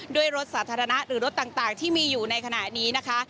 ด้วยรถสาธารณะหรือรถต่างที่มีอยู่ในขณะนี้นะคะ